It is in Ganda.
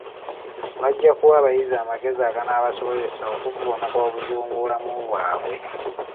Bajja kuwa abayizi amagezi aganaabasobozesa okuvvuunuka obuzibu mu bulamu bwabwe.